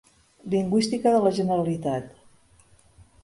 Lingüística de la Generalitat.